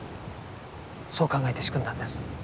そう考えて仕組んだんです。